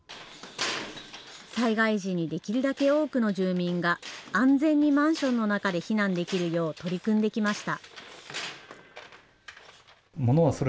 災害時にできるだけ多くの住民が安全にマンションの中で避難できるよう取り組んできました。